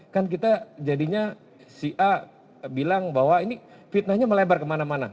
kan kita jadinya si a bilang bahwa ini fitnahnya melebar kemana mana